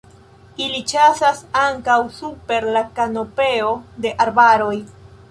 Ili ĉasas ankaŭ super la kanopeo de arbaroj.